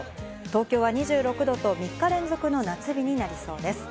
東京は２６度と３日連続の夏日になりそうです。